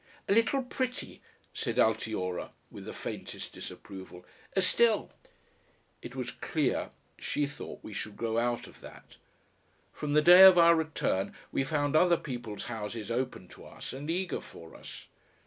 "A little pretty," said Altiora, with the faintest disapproval, "still " It was clear she thought we should grow out of that. From the day of our return we found other people's houses open to us and eager for us.